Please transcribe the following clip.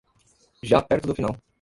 Já perto do final